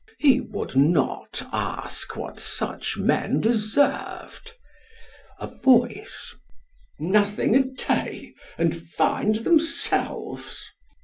He would not ask what such men deserved (a voice, " Nothing a day, and find themselves